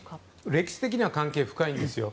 歴史的には関係が深いんですよ。